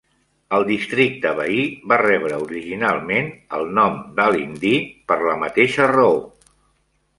El districte veí va rebre originalment el nom d'Alyn-Dee per la mateixa raó.